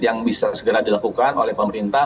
yang bisa segera dilakukan oleh pemerintah